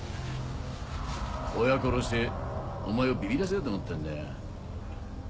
親殺してお前をビビらせようと思ったんだよ。